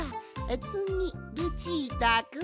つぎルチータくん！